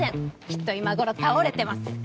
きっと今頃倒れてます